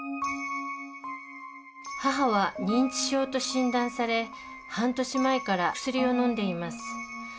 母は認知症と診断され半年前から薬をのんでいます。